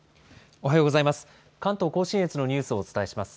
おはようございます。